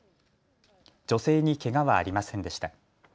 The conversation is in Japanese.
女性にけがはありませんでした。